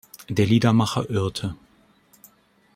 Der Liedermacher irrte.